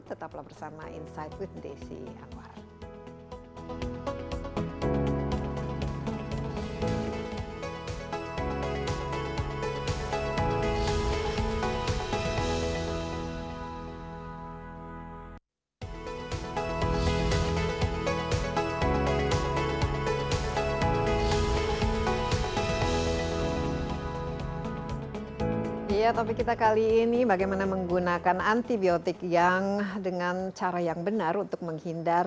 tetaplah bersama insight with desi anwar